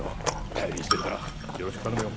頼りにしてるからよろしく頼むよ。